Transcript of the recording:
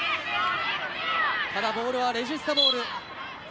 ただボールはレジスタボール。